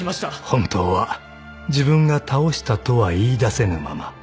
［本当は自分が倒したとは言いだせぬまま］